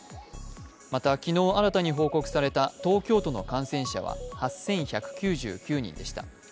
また、昨日新たに報告された東京都の感染者は８１９９人でした。